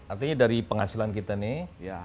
artinya dari penghasilan kita nih